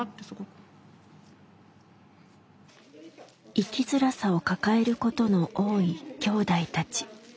生きづらさを抱えることの多いきょうだいたち。